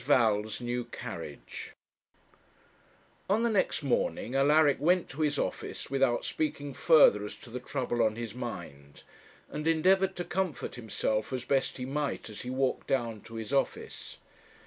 VAL'S NEW CARRIAGE On the next morning Alaric went to his office without speaking further as to the trouble on his mind, and endeavoured to comfort himself as best he might as he walked down to his office.